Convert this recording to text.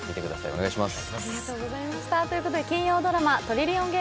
お願いします。